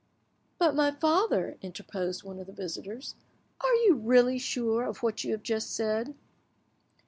"But, my father," interposed one of the visitors, "are you really sure of what you have just said?"